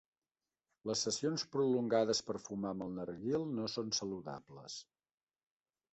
Les sessions prolongades per fumar amb el narguil no són saludables.